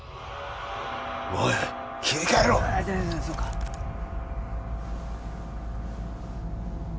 おい切り替えろああそうかあ